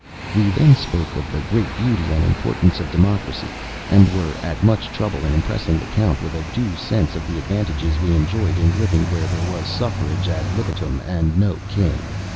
We then spoke of the great beauty and importance of Democracy, and were at much trouble in impressing the Count with a due sense of the advantages we enjoyed in living where there was suffrage ad libitum, and no king.